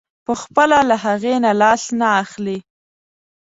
پخپله له هغې نه لاس نه اخلي.